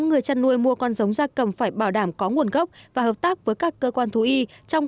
người chăn nuôi mua con giống ra cầm phải bảo đảm có nguồn gốc và hợp tác với các cơ quan thú y trong